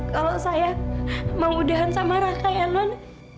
kalau saya memudahan sama raka ya non